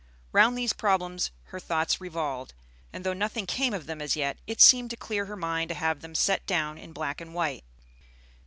Round these problems her thoughts revolved, and though nothing came of them as yet, it seemed to clear her mind to have them set down in black and white.